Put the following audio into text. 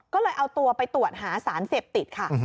ก็เลยเอาตัวไปตรวจหาสารเสพติดค่ะ